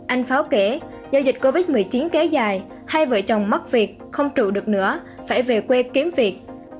anh pháo kể do dịch covid một mươi chín kéo dài hai vợ chồng mất việc không trụ được nữa phải về quê kiếm việc